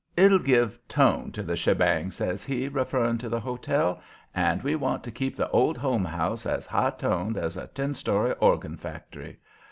"It'll give tone to the shebang," says he, referring to the hotel; "and we want to keep the Old Home House as high toned as a ten story organ factory.